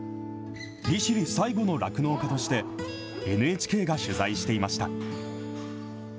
利尻最後の酪農家として、ＮＨＫが取材していました。